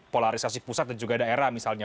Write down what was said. polarisasi pusat dan juga daerah misalnya